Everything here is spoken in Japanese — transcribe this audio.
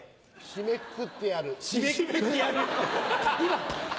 締めくくってやる。